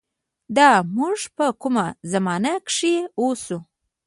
دا مونږ په کومه زمانه کښې اوسو